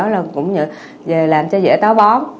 làm cho dễ táo bón